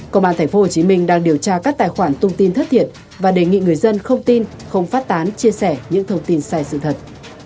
công an tp hcm đang điều tra các tài khoản thông tin thất thiệt và đề nghị người dân không tin không phát tán chia sẻ những thông tin sai sự thật